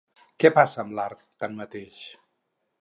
Què passa amb l'art, tanmateix?